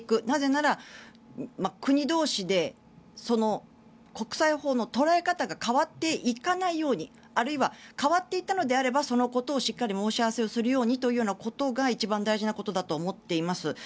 なぜなら、国同士で国際法の捉え方が変わっていかないようにあるいは変わっていったのであればそのことをしっかり申し合わせをするようにということが一番大事なことだと思っています。